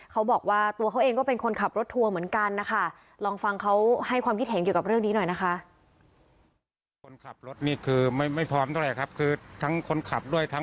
เขาบอกว่าตัวเขาเองก็เป็นคนขับรถทัวร์เหมือนกันแล้วค่ะ